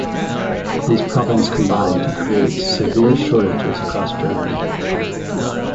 These problems combined to create severe shortages across Germany.